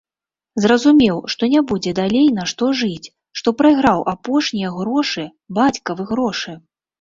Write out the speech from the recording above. Зразумеў, што не будзе далей на што жыць, што прайграў апошнія грошы, бацькавы грошы.